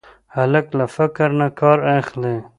هلک له فکر نه کار اخلي.